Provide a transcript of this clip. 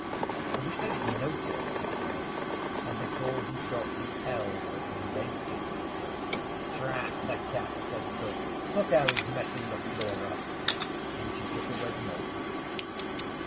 'I wish they'd notice,' he said, and before he got the 'l' written they did notice. 'Drat the cat,' said cook; 'look how he's messing the floor up.' And she took away the milk.